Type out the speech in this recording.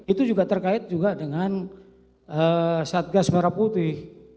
itu juga terkait juga dengan satgas merah putih